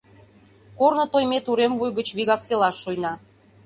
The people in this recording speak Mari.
Корно Тоймет урем вуй гыч вигак селаш шуйна.